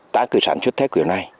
ta cứ sản xuất thế kiểu này